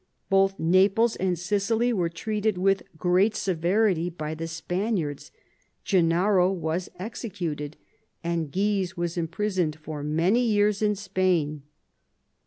Both Naples and Sicily were treated with great severity by the Spaniards, Gennaro was executed, and Guise was imprisoned for many years in Spain.